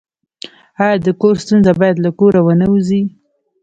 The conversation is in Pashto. آیا د کور ستونزه باید له کوره ونه وځي؟